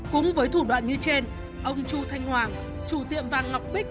cũng với thủ đoạn như trên ông chu thanh hoàng chủ tiệm vàng ngọc bích